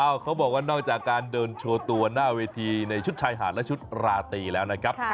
เขาบอกว่านอกจากการเดินโชว์ตัวหน้าเวทีในชุดชายหาดและชุดราตรีแล้วนะครับ